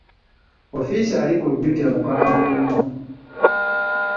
Ofiisa ali ku duty mukambwe nnyo.